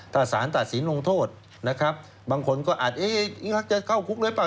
ถ้าสารตัดสินลงโทษนะครับบางคนก็อาจยิ่งรักจะเข้าคุกหรือเปล่า